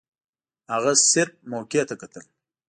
هغه صرف موقع ته کتل.